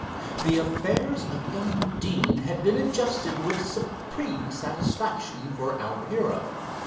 The affairs of young Deane had been adjusted with supreme satisfaction for our hero.